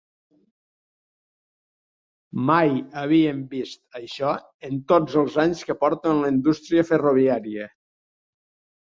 Mai havíem vist això en tots els anys que porto en la indústria ferroviària.